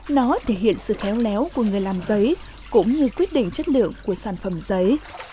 nó thể hiện sự khéo léo của người làm giấy cũng như quyết định chất lượng của sản phẩm giấy